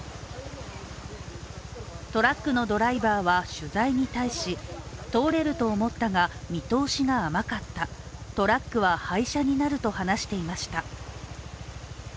トラックのドライバーは取材に対し通れると思ったが見通しが甘かった、トラックは廃車になると話していました。